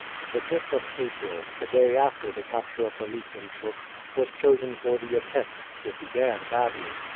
The 5th of April, the day after the capture of the Liefkenshoek, was chosen for the attempt. It began badly.